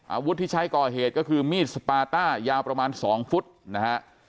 อาวุธที่ใช้ก่อเหตุก็คือมีดสปาต้ายาวประมาณ๒ฟุตนะฮะ